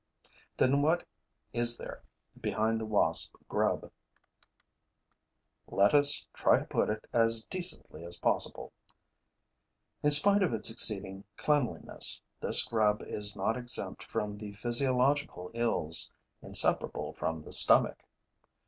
Then what is there behind the wasp grub? Let us try to put it as decently as possible. In spite of its exceeding cleanliness, this grub is not exempt from the physiological ills inseparable from the stomach.